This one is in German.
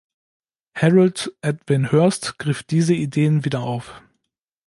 Harold Edwin Hurst griff diese Ideen wieder auf.